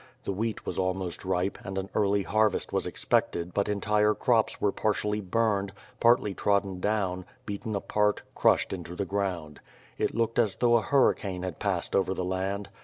The wheat was almost ripe and an early harvest was exepcted but entire crops were partially burned, partly trodden down, beaten apart, crushed into the ground. It looked as though a hurricane had passed over the land.